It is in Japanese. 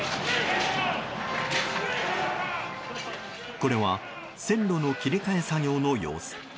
これは線路の切り替え作業の様子。